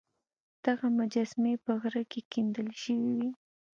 دغه مجسمې په غره کې کیندل شوې وې